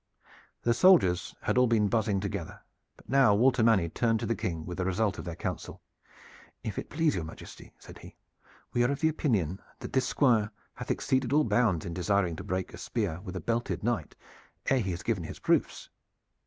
The soldiers had all been buzzing together; but now Walter Manny turned to the King with the result of their counsel. "If it please your majesty," said he, "we are of opinion that this Squire hath exceeded all bounds in desiring to break a spear with a belted knight ere he has given his proofs.